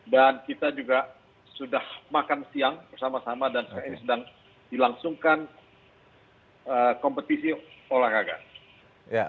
dan kita juga sudah makan siang bersama sama dan sedang dilangsungkan kompetisi olahraga